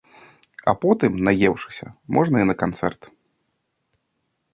А потым, наеўшыся, можна і на канцэрт.